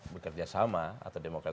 bekerja sama atau demokrat